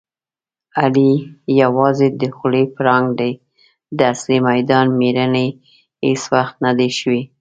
علي یووازې د خولې پړانګ دی. د اصلي میدان مېړنی هېڅ وخت ندی شوی.